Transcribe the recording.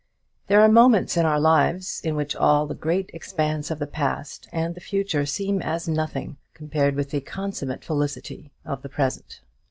There are moments in our lives in which all the great expanse of the past and future seems as nothing compared with the consummate felicity of the present.